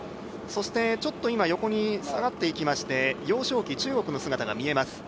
そして、今横に下がっていきまして中国の楊紹輝の中国の姿が見えます。